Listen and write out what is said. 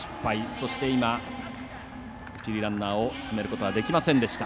そして、一塁ランナーを進めることはできませんでした。